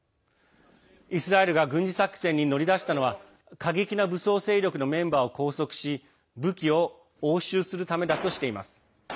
イスラエルが軍事作戦に乗り出したのは過激な武装勢力のメンバーを拘束し、武器を押収するためだとしています。